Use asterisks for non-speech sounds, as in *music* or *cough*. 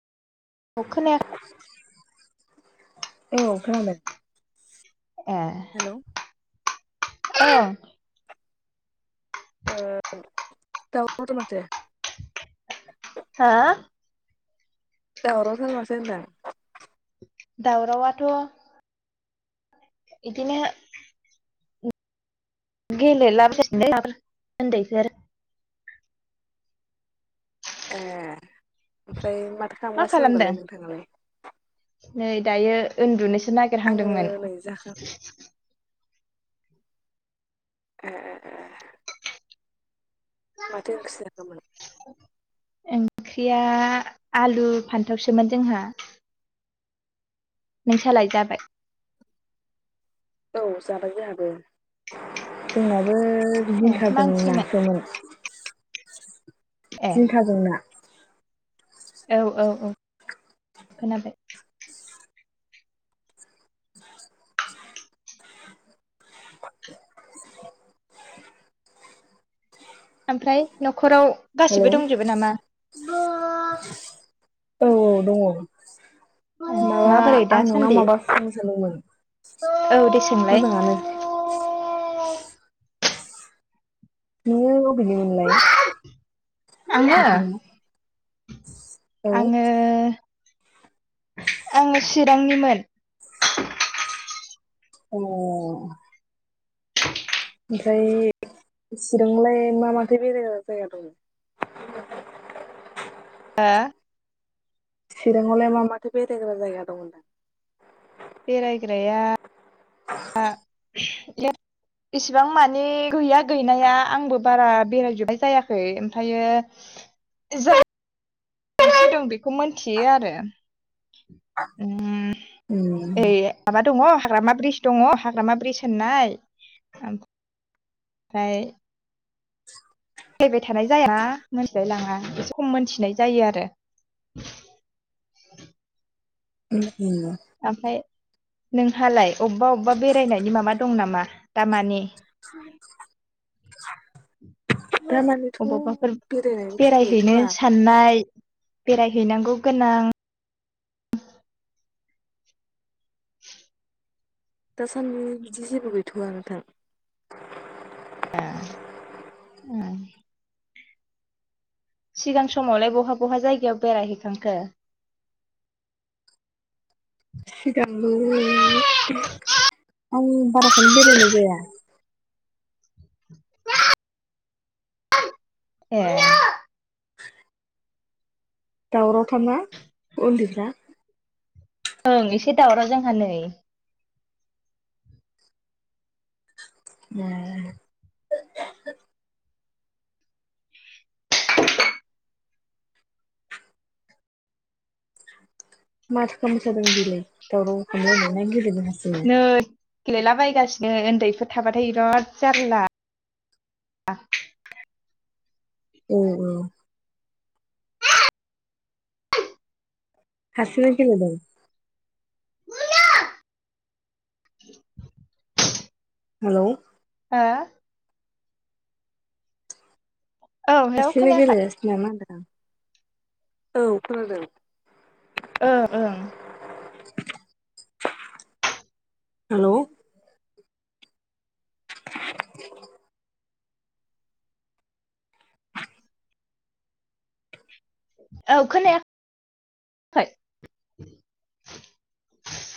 खोनायाखै औ खोनादों ए हेलौ ओ औ आ दावराव थार माथो हा दावराव थार माथो होनदां दावरावाथ' इदिनो गेल लाब ला द ज ए ओमफ्राय माथो मा खालामगासिनो खालामदों दंबालाय नोंथाङालाय नै दायो उन्दुनोसो आङो नागिरहांदोंमोन नै जाखां ए ए ए ए माथो ओंख्रि जाखोमोन ओंख्रिया आलु फानथावसोमोन जोंहा नों सालाय जाबाय औ जाबाय जोंहाबो जोंनाबो जिंखा ए मा जों ओंख्रिमोन नासोमोन ए जिंखा जोंना औ औ औ खोनाबाय ओमफ्राय न'खराव हेलौ गासिबो दंजोबो नामा औ औ दङ माबा माबोरै आं नोंनाव दासान्दि माबा फन स जादोंमोन औ दे सोंलाय मोजाङानो नोङो अबेनिमोनलाय आङो औ अ आङो आङो चिरांनिमोन अ ओमफ्राय चिरंलाय मा माथो बेरायग्रा जायगा दं *inaudible* हा चिराङावलाय मा माथो बेरायग्रा जायगा दं होनदां बेरायग्राया इसिबां मानि गैया गैनाया आंबो बारा बेरायजोबबाय जायाखै ओमफ्र ज *unintelligible* से दं बेखौ मिनथियो आरो उम ए आबाद दङ हाग्रामा ब्रिज दङ हाग्रामा ब्रिज होननाय *unintelligible* फाय फैबाय थानाय जाया मोनथिलाय लाङा एसे खम मोनथिनाय जायो आरो *inaudible* उम उम ओमफ्राय नोंहालाय अबबा अबबा बेरायनायनि माबा दं नामा दामानि? *inaudible* दामानिथ' अबावबाफोर बेरायनायनि जेबो बेरायहैनो गैथ'वा साननाय बेरायहैनांगौ गोनां दासान्दि बिदि जेबो गैथ'वा नोंथां। ए‌ उम। सिगां समावलाय बहा बहा जायगायाव बेरायहैखांखो? *inaudible* सिगांबो *unintelligible* आं बाराखौनो बेरायनाय जाया। *unintelligible* ए दावराव थारना उन्दैफ्रा? ओं एसे दावराव जोंहा नै। *unintelligible* माथो खालामबाय थादों बिलाय दावराव खामलायनो ना गेलेदों हारसिंनो? नै गेलेलाबायगासिनो ओन्दैफोर थाबाथाय इराद जारला। *unintelligible* उम उम हारसिङै गेलेदों? *unintelligible* हेलौ हो औ हेलौ हारसिंनो खोनायाखै गेलेगासिनो नामा *unintelligible* औ खोनादों। ओं ओं *inaudible* हेलौ *inaudible* औ खोनाया *unintelligible* खै *inaudible*